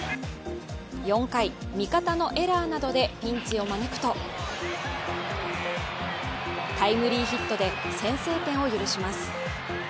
４回、味方のエラーなどでピンチを招くとタイムリーヒットで先制点を許します。